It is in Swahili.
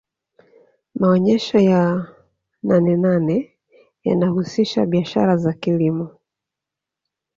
maonyesho ya nanenane yanahusisha biashara za kilimo